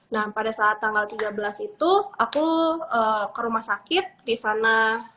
nah pada saat tanggal tiga belas itu aku ke rumah sakit di sana